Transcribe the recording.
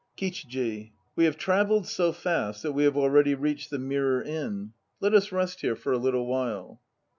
KICHIJI. We have travelled so fast that we have already reached the Mirror Inn. Let us rest here for a little while.